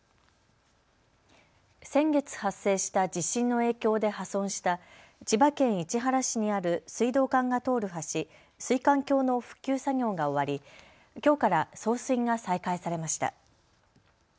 先月発生した地震の影響で破損した千葉県市原市にある水道管が通る橋、水管橋の復旧作業が終わり、きょうから送水が再開されました。